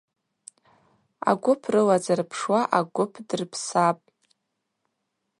Агвып рыла зырпшуа агвып дырпсапӏ.